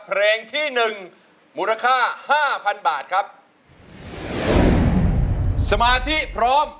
เพลงที่หนึ่งมูลค่าห้าพันบาทครับสมาธิพร้อม